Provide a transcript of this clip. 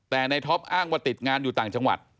แต่ในท็อปอ้างว่าติดงานอยู่ต่างจังหวัด